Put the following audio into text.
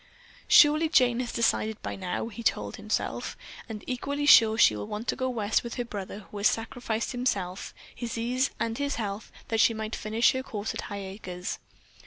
"Surely Jane has decided by now," he told himself. "And equally surely she will want to go West with the brother who has sacrificed himself, his ease and his health that she might finish her course at Highacres."